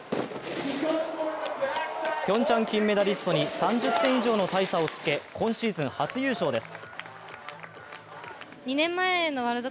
ピョンチャン金メダリストに３０点以上の大差をつけ、今シーズン初優勝です。